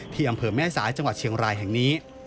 อำเภอแม่สายจังหวัดเชียงรายแห่งนี้